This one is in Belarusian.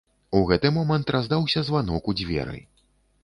У гэты момант раздаўся званок у дзверы.